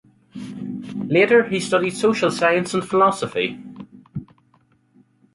Later he studied social science and philosophy.